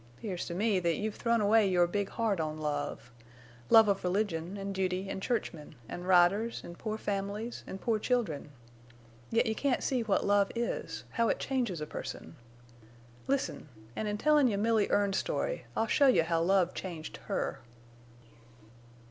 'Pears to me that you've thrown away your big heart on love—love of religion an' duty an' churchmen, an' riders an' poor families an' poor children! Yet you can't see what love is—how it changes a person!... Listen, an' in tellin' you Milly Erne's story I'll show you how love changed her.